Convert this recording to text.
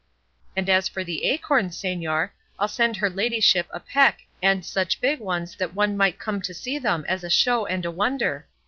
And as for the acorns, señor, I'll send her ladyship a peck and such big ones that one might come to see them as a show and a wonder.